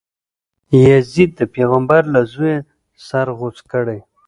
یزید د پیغمبر له زویه سر غوڅ کړی.